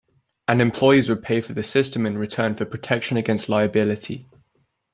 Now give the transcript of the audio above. And employers would pay for the system in return for protection against liability.